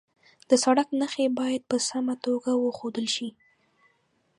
د سړک نښې باید په سمه توګه وښودل شي.